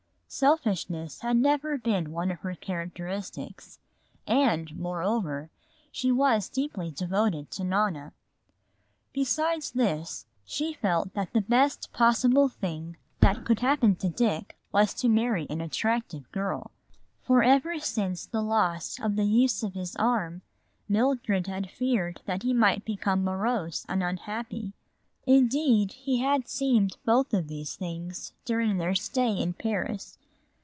Selfishness had never been one of her characteristics, and, moreover, she was deeply devoted to Nona. Besides this, she felt that the best possible thing that could happen to Dick was to marry an attractive girl. For ever since the loss of the use of his arm Mildred had feared that he might become morose and unhappy. Indeed, he had seemed both of these things during their stay in Paris.